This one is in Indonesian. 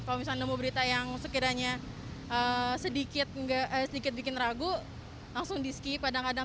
kalau misalnya nemu berita yang sekiranya sedikit bikin ragu langsung diskip kadang kadang